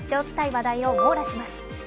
話題を網羅します。